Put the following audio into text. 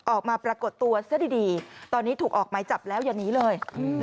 ออกมาปรากฏตัวเสื้อดีตอนนี้ถูกออกไม้จับแล้วอย่างนี้เลย